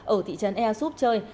ở thị trấn ea súp chơi